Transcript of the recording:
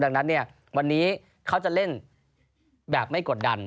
ดังนั้นเนี่ยวันนี้เขาจะเล่นแบบไม่กดดัน